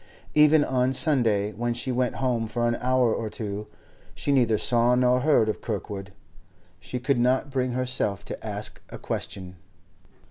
Even on Sunday, when she went home for an hour or two, she neither saw nor heard of Kirkwood. She could not bring herself to ask a question.